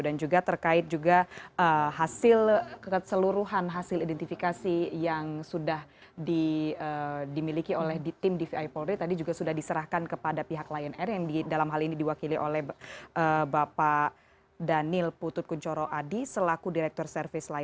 dan juga terkait juga hasil keseluruhan hasil identifikasi yang sudah dimiliki oleh tim dvi polri tadi juga sudah diserahkan kepada pihak lion air yang di dalam hal ini diwakili oleh bapak daniel pututkuncoro adi selaku direktur servis lion air